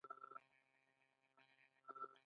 د باران ږغ د زړه سکون دی.